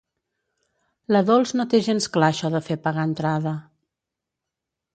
La Dols no té gens clar això de fer pagar entrada.